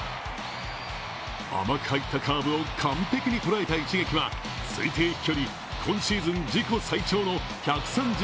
甘く入ったカーブを完璧に捉えた一撃は推定飛距離、今シーズン自己最長の１３５ｍ。